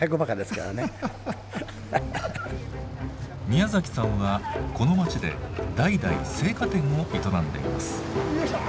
宮崎さんはこの町で代々青果店を営んでいます。